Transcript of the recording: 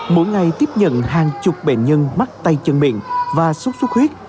mỗi ngày tiếp nhận hàng chục bệnh nhân mắc tay chân miệng và sốt xuất huyết